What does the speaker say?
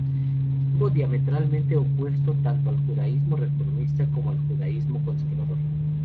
Estuvo diametralmente opuesto tanto al judaísmo reformista como al judaísmo conservador.